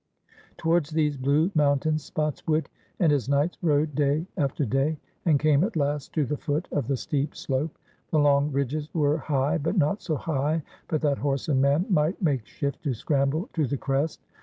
Towards these blue mountains Spotswood and his knights rode day alter day and came at last to the foot of the steep slope. The long ridges were high, but not so high but that horse and man might make shift to scramble to the crest.